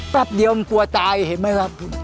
แป๊บเดียวมันกลัวตายเห็นไหมครับ